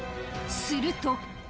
すると。